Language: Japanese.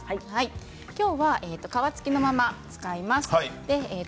今日は皮付きのまま使います。